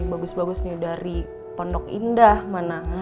bagus bagus nih dari pondok indah mana